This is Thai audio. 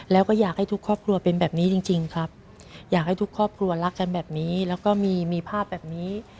แล้วก็อยากให้ทุกครอบครัวเป็นแบบนี้จริงครับอยากให้ทุกครอบครัวรักกันแบบนี้แล้วก็มีภาพแบบนี้